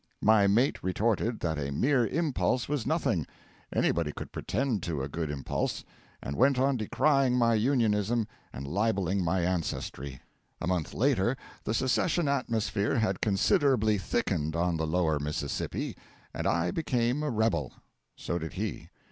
My mate retorted that a mere impulse was nothing anybody could pretend to a good impulse; and went on decrying my Unionism and libelling my ancestry. A month later the secession atmosphere had considerably thickened on the Lower Mississippi, and I became a rebel; so did he.